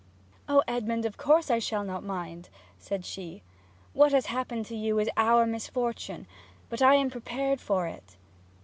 'O Edmond, of course I shall not mind,' said she. 'What has happened to you is our misfortune; but I am prepared for it.'